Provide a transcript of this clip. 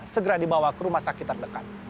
segera dibawa ke rumah sakit terdekat